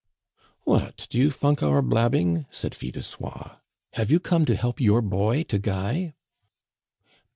"What, do you funk our blabbing?" said Fil de Soie. "Have you come to help your boy to guy?"